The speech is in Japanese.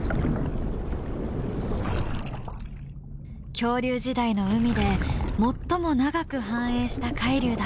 恐竜時代の海で最も長く繁栄した海竜だ。